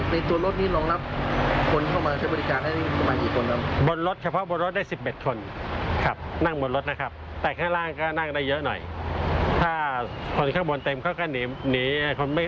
ในตัวรถเรามีตรงรับคนเข้ามาใช้บริการให้มีประมาณอีกคนปะ